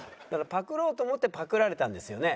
パクろうと思ってパクられたんですよね？